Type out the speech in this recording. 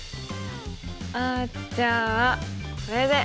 あじゃあこれで。